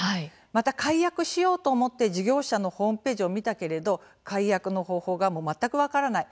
また、解約しようと思って事業者のホームページを見たけれど解約の方法が全く分からない